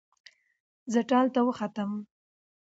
زه ټال ته وختم